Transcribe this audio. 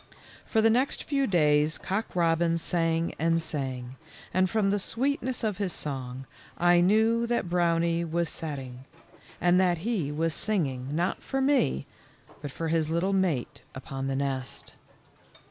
For the next few days Cock robin sang and sang, and from the sweet ness of his song I knew that Brownie was set ting, and that he was singing, not for me, but for his little mate upon the nest.